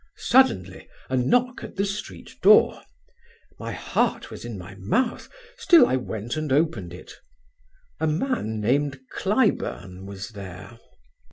"Suddenly a knock at the street door. My heart was in my mouth, still I went and opened it: a man named Cliburn was there.